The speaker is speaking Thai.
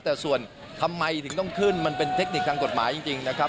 แต่ส่วนทำไมถึงต้องขึ้นมันเป็นเทคนิคทางกฎหมายจริงนะครับ